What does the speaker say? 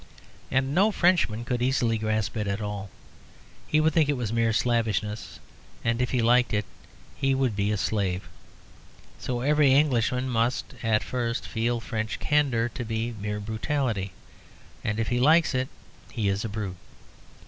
And no Frenchman could easily grasp it at all. He would think it was mere slavishness; and if he liked it, he would be a slave. So every Englishman must (at first) feel French candour to be mere brutality. And if he likes it, he is a brute.